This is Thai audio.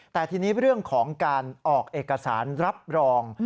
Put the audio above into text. แต่ทีนี้เรื่องของการออกเอกสารรับรอง